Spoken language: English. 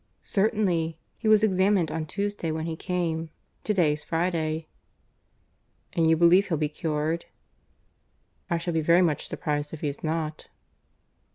"Certainly. He was examined on Tuesday, when he came. To day's Friday." "And you believe he'll be cured?" "I shall be very much surprised if he's not."